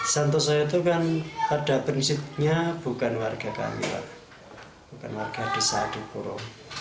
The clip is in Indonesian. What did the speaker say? santoso itu kan pada prinsipnya bukan warga kami bukan warga desa adipuro